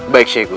baik syekh gua